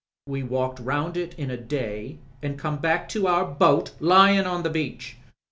We walked round it in a day, an* come back to our boat lyin* on the beach.